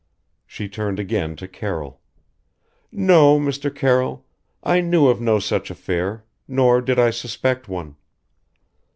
She turned again to Carroll. "No, Mr. Carroll I knew of no such affair nor did I suspect one.